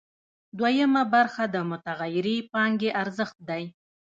دویمه برخه د متغیرې پانګې ارزښت دی